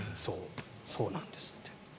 そうなんですって。